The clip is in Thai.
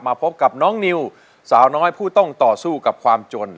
พบกับน้องนิวสาวน้อยผู้ต้องต่อสู้กับความจน